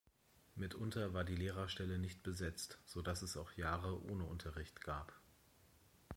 Mitunter war die Lehrerstelle nicht besetzt, so dass es auch Jahre ohne Unterricht gab.